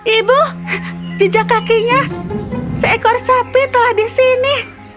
ibu jejak kakinya seekor sapi telah di sini